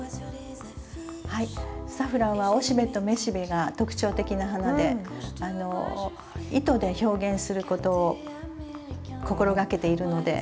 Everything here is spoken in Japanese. はいサフランは雄しべと雌しべが特徴的な花で糸で表現することを心がけているので。